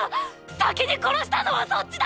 先に殺したのはそっちだ！！